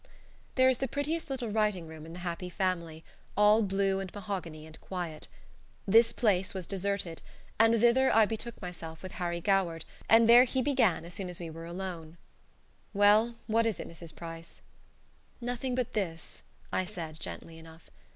There is the prettiest little writing room in "The Happy Family," all blue and mahogany and quiet. This place was deserted, and thither I betook myself with Harry Goward, and there he began as soon as we were alone: "Well, what is it, Mrs. Price?" "Nothing but this," I said, gently enough.